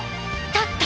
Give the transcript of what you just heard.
立った。